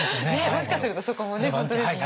もしかするとそこもね本当ですね。